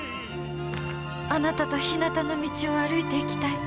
あなたとひなたの道を歩いていきたい。